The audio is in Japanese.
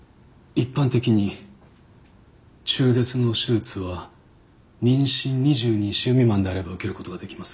一般的に中絶の手術は妊娠２２週未満であれば受ける事ができます。